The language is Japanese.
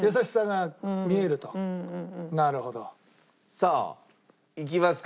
さあいきますか？